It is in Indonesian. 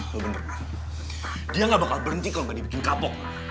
lo bener kan dia gak bakal berhenti kalau gak dibikin kapok